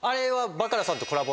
バカラとコラボ？